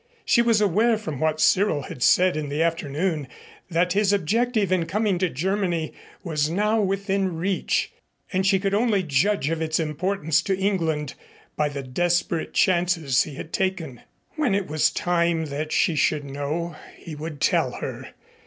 She was aware from what Cyril had said in the afternoon that his objective in coming to Germany was now within reach, and she could only judge of its importance to England by the desperate chances he had taken. When it was time that she should know he would tell her.